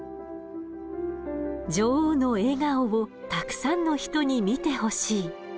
女王の笑顔をたくさんの人に見てほしい。